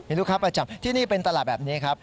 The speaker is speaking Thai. ลูกค้าประจำที่นี่เป็นตลาดแบบนี้ครับ